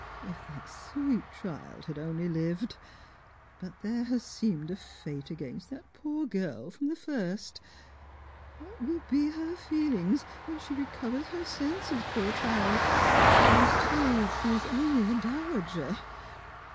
If that sweet child had only lived ! But there has seemed a fate against that poor girl from the first. What win be her feelings when she recovers her senses, poor child, and is told she is only a dowager